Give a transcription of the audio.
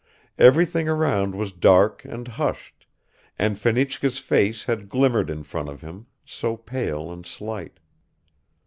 Everything around was dark and hushed, and Fenichka's face had glimmered in front of him, so pale and slight.